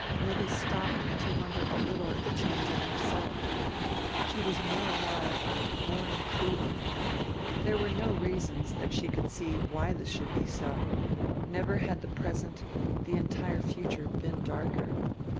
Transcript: Nettie stopped to wonder a little at the change in herself: she was more alive, more included. There were no reasons that she could see why this should be so; never had the present, the entire future, been darker.